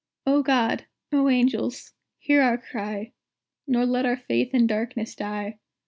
O God! O Angels! hear our cry, Nor let our faith in darkness die!